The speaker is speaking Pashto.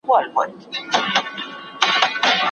ایا مسلکي بڼوال جلغوزي صادروي؟